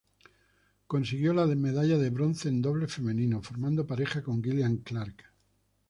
Consiguió la medalla de bronce en dobles femenino, formando pareja con Gillian Clark.